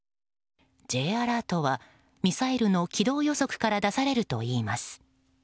Ｊアラートは、ミサイルの軌道予測から出されるといいます。